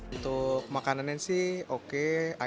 untuk makanan ini sih oke